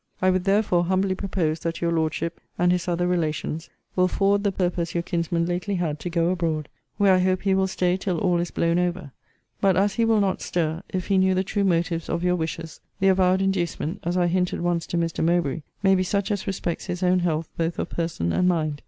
I would, therefore, humbly propose that your Lordship, and his other relations, will forward the purpose your kinsman lately had to go abroad; where I hope he will stay till all is blown over. But as he will not stir, if he knew the true motives of your wishes, the avowed inducement, as I hinted once to Mr. Mowbray, may be such as respects his own health both of person and mind.